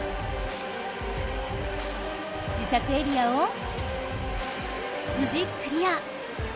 磁石エリアをぶじクリア！